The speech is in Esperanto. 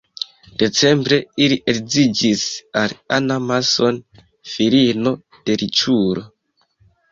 Decembre li edziĝis al Anna Mason, filino de riĉulo.